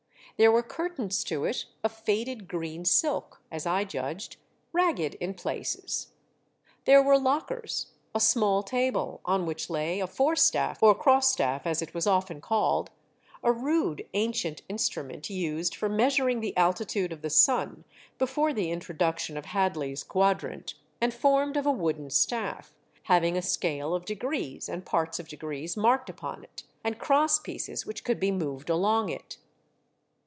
There were curtains to it of faded green silk — as I judged — ragged in places. There were lockers, a small table, on which lay a fore staff, or cross staff as it was often called, a rude ancient instrument used for measuring the altitude of the sun before the introduction of Hadley's quadrant, and formed of a wooden staff, having a scale of degrees and parts of degrees marked upon it, and cross pieces which could be moved along it.